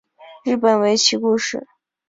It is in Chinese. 日本围棋故事